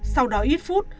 sau đó ít phút